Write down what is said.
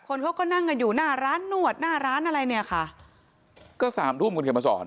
คนเขาก็นั่งกันอยู่หน้าร้านนวดหน้าร้านอะไรเนี่ยค่ะก็สามทุ่มคุณเขียนมาสอน